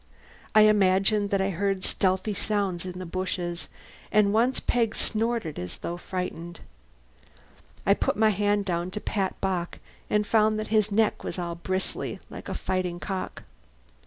I imagined that I heard stealthy sounds in the bushes, and once Peg snorted as though frightened. I put my hand down to pat Bock, and found that his neck was all bristly, like a fighting cock.